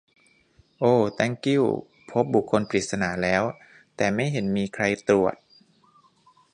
โอ แต้งกิ้ว พบบุคคลปริศนาแล้ว แต่ไม่เห็นมีใครตรวจ